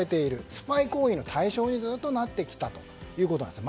スパイ行為の対象に、ずっとなってきたということなんです。